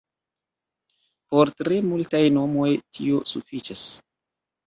Por tre multaj nomoj tio sufiĉas.